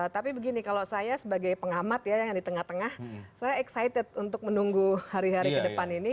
tapi begini kalau saya sebagai pengamat ya yang di tengah tengah saya excited untuk menunggu hari hari ke depan ini